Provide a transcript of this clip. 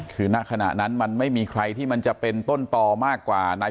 คือณขณะนั้นมันไม่มีใครที่มันจะเป็นต้นต่อมากกว่านาย